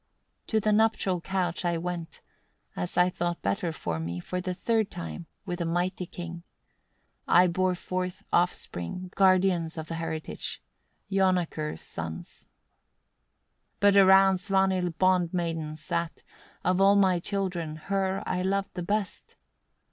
14. "To the nuptial couch I went as I thought better for me, for the third time, with a mighty king. I brought forth offspring, guardians of the heritage, guardians of the heritage, Jonakr's sons. 15. "But around Svanhild bond maidens sat; of all my children her I loved the best.